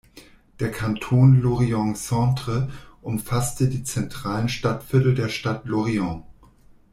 Der Kanton Lorient-Centre umfasste die zentralen Stadtviertel der Stadt Lorient.